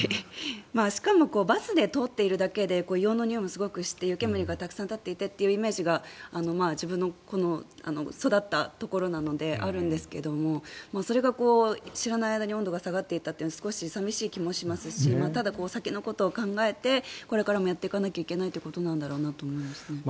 しかもバスで通っているだけで硫黄のにおいもして湯煙もたくさん立っていてというのが自分の育ったところなのであるんですがそれが知らない間に温度が下がっていたというのは寂しい気もしますしただ、先のことも考えてこれからやっていかなければいけないということなんだなと。